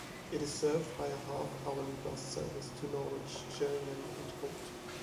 It is served by a half-hourly bus service to Norwich, Sheringham and Holt.